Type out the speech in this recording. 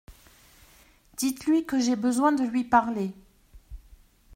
Dites-lui que j’ai besoin de lui parler.